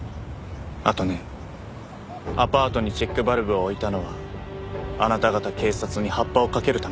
あとねアパートにチェックバルブを置いたのはあなた方警察にハッパをかけるためですよ。